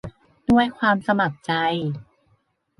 ด้วยความสมัครใจ